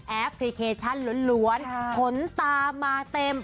แอปพลิเคชันล้วนผลตามมาเต็ม